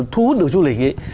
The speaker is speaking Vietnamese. thu hút được du lịch ấy